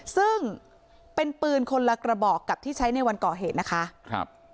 ซึ่งเป็นปืนคนละกระบอกกับที่ใช้ในวันก่อเหตุนะคะครับ